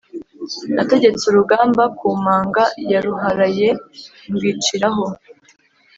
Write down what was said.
Nategetse urugamba ku manga ya Ruharaye ndwiciraho.